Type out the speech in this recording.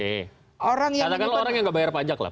katakanlah orang yang nggak bayar pajak lah